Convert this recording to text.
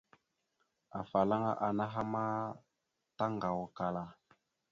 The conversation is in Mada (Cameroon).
Afalaŋana anaha ma taŋgawakala.